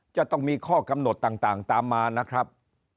จะต้องมีข้อกำหนดต่างตามมานะครับ